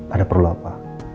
ada perlu apa